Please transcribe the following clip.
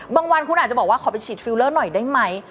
วันคุณอาจจะบอกว่าขอไปฉีดฟิลเลอร์หน่อยได้ไหม